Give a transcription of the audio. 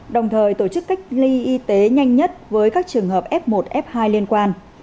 đồng thời tổ chức cách ly y tế nhanh nhất với các trường hợp f một f hai liên quan